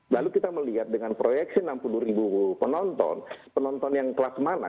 lalu kita melihat dengan proyeksi enam puluh ribu penonton penonton yang kelas mana